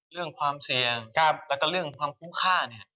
เรื่องความเสี่ยงแล้วก็เรื่องความคุ้มค่า